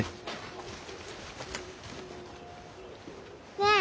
ねえ。